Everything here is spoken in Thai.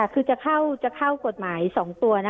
คือจะเข้ากฎหมาย๒ตัว